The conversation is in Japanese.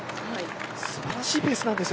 素晴らしいペースなんです。